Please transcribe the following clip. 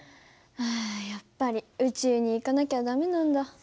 あやっぱり宇宙に行かなきゃ駄目なんだ。